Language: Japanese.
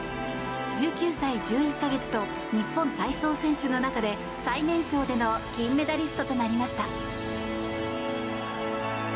１９歳１１か月と日本体操選手の中で最年少での金メダリストとなりました。